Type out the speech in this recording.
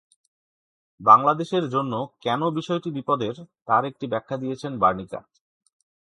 বাংলাদেশের জন্য কেন বিষয়টি বেশি বিপদের, তার একটি ব্যাখ্যা দিয়েছেন বার্নিকাট।